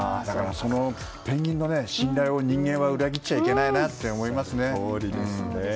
ペンギンの信頼を人間は裏切っちゃいけないなと思います。